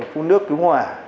phun nước cứu hỏa